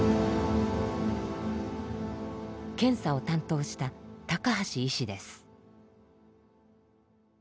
検査を担当した高橋医師です。